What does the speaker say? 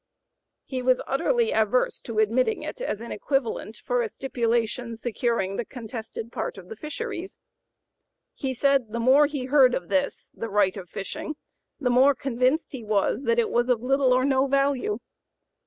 He was utterly averse to admitting it as an equivalent for a stipulation securing the contested part of the fisheries. He said the more he heard of this [the right of fishing], the more convinced he was that it was of little or no value.